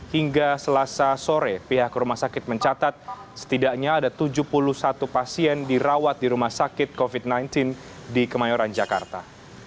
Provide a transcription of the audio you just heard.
hingga selasa sore pihak rumah sakit mencatat setidaknya ada tujuh puluh satu pasien dirawat di rumah sakit covid sembilan belas di kemayoran jakarta